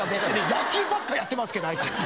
野球ばっかやってますけどあいつ。